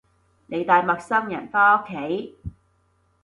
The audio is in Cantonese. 你帶陌生人返屋企